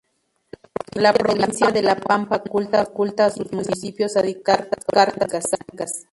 La provincia de La Pampa no faculta a sus municipios a dictar cartas orgánicas.